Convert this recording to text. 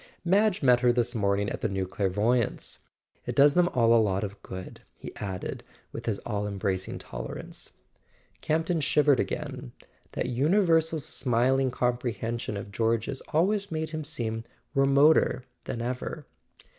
Madge met her this morning at the new clairvoyantss .— It does them all a lot of good," he added, with his all embracing tolerance. Camp ton shivered again. That universal smiling comprehension of George's always made him seem remoter than ever.